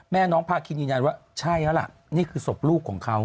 น้องพาคินยืนยันว่าใช่แล้วล่ะนี่คือศพลูกของเขา